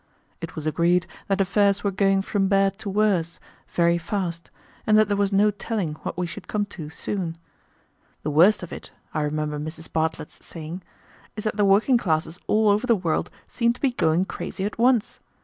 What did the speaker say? It was agreed that affairs were going from bad to worse very fast, and that there was no telling what we should come to soon. "The worst of it," I remember Mrs. Bartlett's saying, "is that the working classes all over the world seem to be going crazy at once.